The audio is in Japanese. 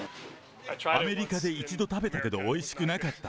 アメリカで一度食べたけど、おいしくなかった。